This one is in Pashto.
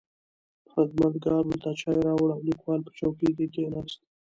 خدمتګار ورته چای راوړ او لیکوال په چوکۍ کې کښېناست.